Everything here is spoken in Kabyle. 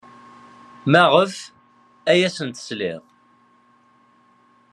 Maɣef ay asen-tesliḍ?